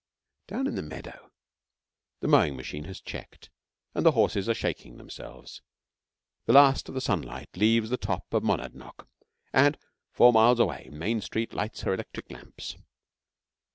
Down in the meadow the mowing machine has checked, and the horses are shaking themselves. The last of the sunlight leaves the top of Monadnock, and four miles away Main Street lights her electric lamps.